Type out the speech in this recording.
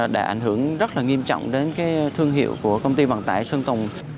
đã ảnh hưởng rất nghiêm trọng đến thương hiệu của công ty vận tải sơn tùng